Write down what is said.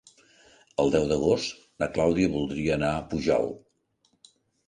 El deu d'agost na Clàudia voldria anar a Pujalt.